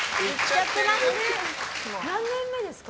何年目ですか？